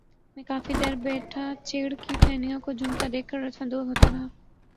میں کافی دیر بیٹھا چیڑ کی ٹہنیوں کو جھومتا دیکھ کر لطف اندوز ہوتا رہا